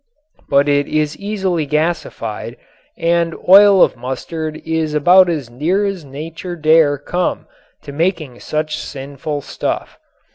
But it is easily gasified, and oil of mustard is about as near as Nature dare come to making such sinful stuff.